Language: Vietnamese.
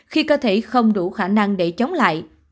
khi cơ thể không đủ khả năng để chống lại